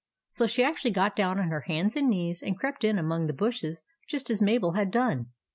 So she actually got down on her hands and knees, and crept in among the bushes just as Mabel had done.